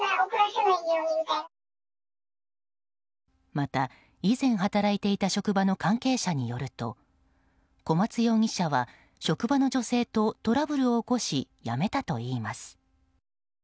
また、以前働いていた職場の関係者によると小松容疑者は職場の女性とトラブルを起こし辞めたといいます。